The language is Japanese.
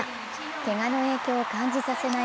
けがの影響を感じさせない